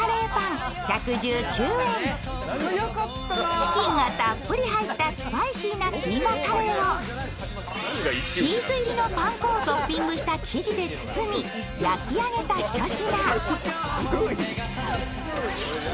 チキンがたっぷり入ったスパイシーなキーマカレーをチーズ入りのパン粉をトッピングした生地で包み焼き上げた、ひと品。